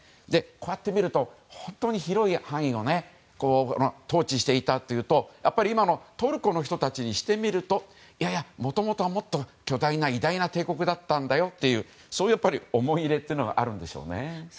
こうしてみると、本当に広い範囲を統治していたというとやっぱり今のトルコの人たちにしてみるといやいや、もともとはもっと巨大な、偉大な帝国だったんだよとそういう思い入れもあるんでしょうね。